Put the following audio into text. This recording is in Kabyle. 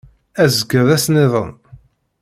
Azekka d ass nniḍen.